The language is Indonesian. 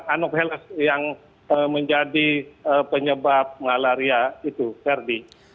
anok heles yang menjadi penyebab malaria itu ferdi